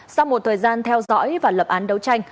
sau một thời gian theo dõi và lập án đấu tranh